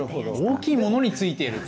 大きいものについていると。